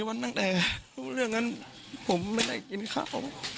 วันตั้งแต่รู้เรื่องนั้นผมไม่ได้กินข้าว